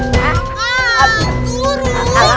maka mantra mantra mau